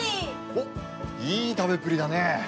おっいい食べっぷりだねぇ。